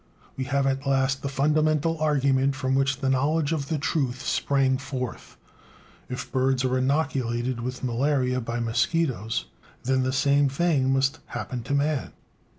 we have at last the fundamental argument from which the knowledge of the truth sprang forth: "If birds are inoculated with malaria by mosquitoes, then the same thing must happen to man."